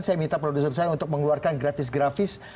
saya minta produser saya untuk mengeluarkan gratis grafis